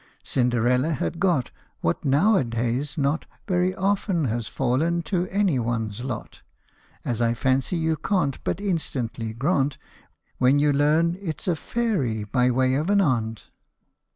Cinderella had got what now a day not Very often has fallen to any one's lot, As I fancy you can't but instantly grant When you learn it 's a fairy by way of an aunt.